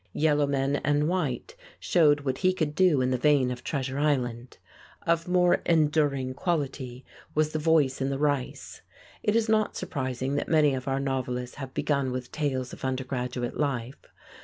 "Yellow Men and White" showed what he could do in the vein of "Treasure Island." Of more enduring quality was "The Voice in the Rice." It is not surprising that many of our novelists have begun with tales of undergraduate life.